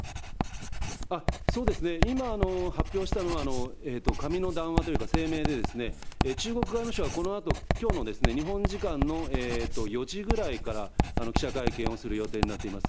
そうですね、今、発表したのは、紙の談話というか、声明で、中国外務省はこのあと、きょうの日本時間の４時ぐらいから記者会見をする予定になっています。